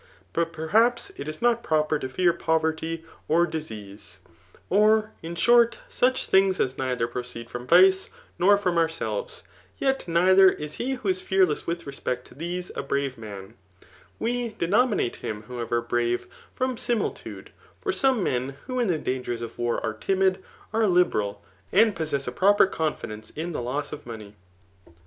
Bm perhaps it k not praper to fear povefty «r &eate, 6r, Digitized by Google 86 THE KICOMACHEAN BOOKttIv in shorty such things as nehher proceed from vice, nor from ourselves ; yet neither is he who is fearless widi respect to these a brave man. We denominate faim^ however, brave from simifitude ; for some men, whoJn the dangers of war are dmid, are liheral, and possess a pro* pi^ confidence in the loss of money.